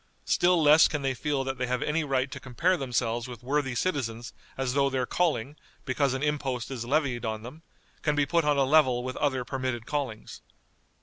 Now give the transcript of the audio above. Still less can they feel that they have any right to compare themselves with worthy citizens as though their calling, because an impost is levied on them, can be put on a level with other permitted callings.